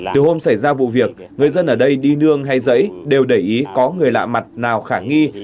từ hôm xảy ra vụ việc người dân ở đây đi nương hay giấy đều để ý có người lạ mặt nào khả nghi